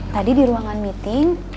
tadi di ruangan meeting